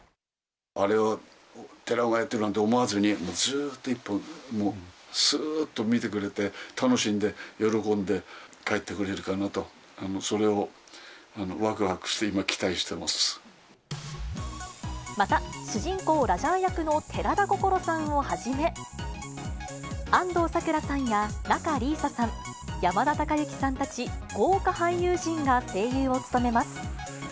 あれは寺尾がやってると思わずに、ずっと１本、すーっと見てくれて、楽しんで、喜んで帰ってくれるかなと、それをわくわくして今、また、主人公、ラジャー役の寺田心さんをはじめ、安藤サクラさんや仲里依紗さん、山田孝之さんたち、豪華俳優陣が声優を務めます。